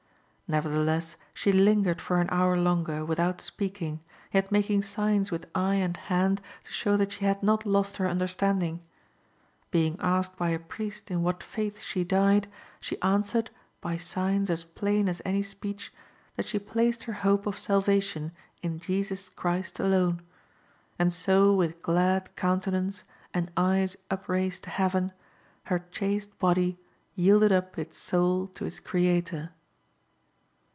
Nevertheless she lingered for an hour longer without speaking, yet making signs with eye and hand to show that she had not lost her understanding. Being asked by a priest in what faith she died, she answered, by signs as plain as any speech, that she placed her hope of salvation in Jesus Christ alone; and so with glad countenance and eyes upraised to heaven her chaste body yielded up its soul to its Creator.